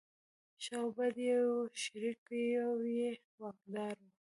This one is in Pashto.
ښه او بد یې وو شریک یو یې واکدار و.